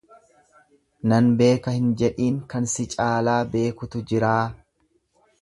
Nan beeka hin jedhiin kan si caalaa beekutu jiraa.